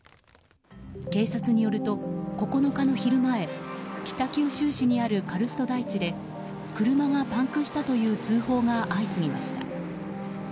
警察によると、９日の昼前北九州市にあるカルスト台地で車がパンクしたという通報が相次ぎました。